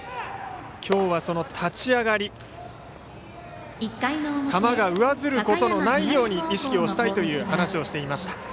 きょうは、その立ち上がり球が上ずることのないよう意識をしたいと話していました。